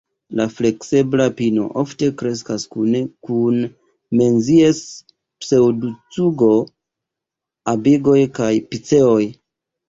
La fleksebla pino ofte kreskas kune kun Menzies-pseŭdocugo, abioj kaj piceoj.